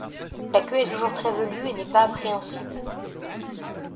La queue est toujours très velue et n'est pas préhensile.